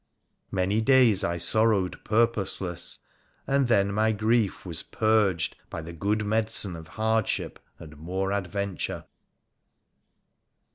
Many days I sorrowed purposeless, and then my grief was purged by the good medicine of hardship and more adventure.